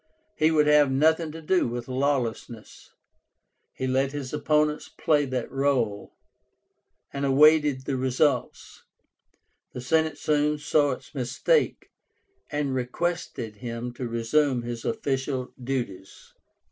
He would have nothing to do with lawlessness; he let his opponents play that rôle, and awaited the results. The Senate soon saw its mistake, and requested him to resume his official duties.